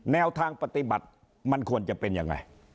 แนวทางปฏิบัติมันควรจะเป็นยังไง